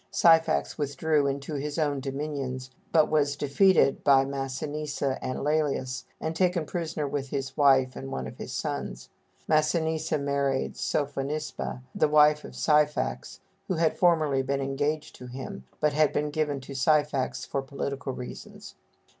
Syphax withdrew into his own dominions, but was defeated by Massinissa and Lælius, and taken prisoner with his wife and one of his sons. Massinissa married Sophonisba, the wife of Syphax, who had formerly been engaged to him, but had been given to Syphax for political reasons.